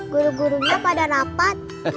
guru gurunya pada rapat